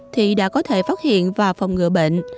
thì đã có thể phát hiện và phòng ngừa bệnh